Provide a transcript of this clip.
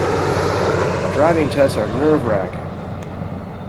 Driving tests are nerve-racking.